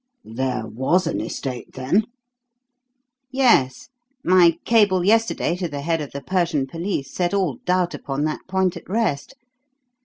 "There was an estate, then?" "Yes. My cable yesterday to the head of the Persian police set all doubt upon that point at rest.